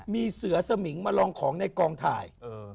มีเสือสมิงมาลองของในกองถ่าย